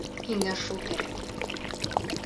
Һиңә шул кәрәк!..